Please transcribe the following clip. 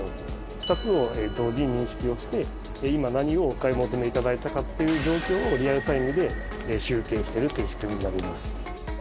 ２つを同時に認識をして、今何をお買い求めいただいたかっていう状況をリアルタイムで集計してるっていう仕組みになります。